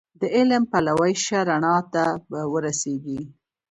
د علم پلوی شه رڼا ته به ورسېږې